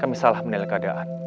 kami salah menilai keadaan